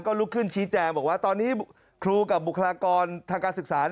ลุกขึ้นชี้แจงบอกว่าตอนนี้ครูกับบุคลากรทางการศึกษา